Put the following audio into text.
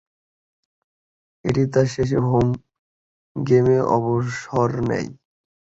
এটি তার শেষ হোম গেমে অবসর নেয়।